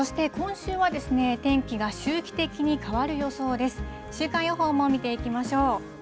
週間予報も見てみましょう。